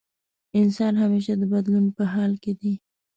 انسان همېشه د بدلون په حال کې دی.